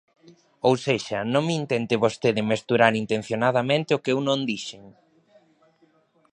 Ou sexa, non me intente vostede mesturar intencionadamente o que eu non dixen.